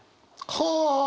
はあ！